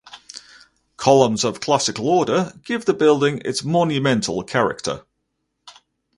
Columns of classical order give the building its monumental character.